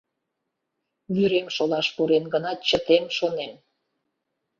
Вӱрем шолаш пурен гынат, чытем, шонем.